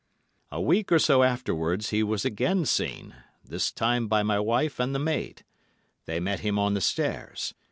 A week or so afterwards he was again seen; this time by my wife and the maid. They met him on the stairs.